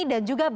dan juga biar